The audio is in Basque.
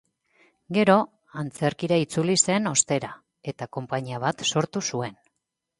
Gero, antzerkira itzuli zen ostera, eta konpainia bat sortu zuen.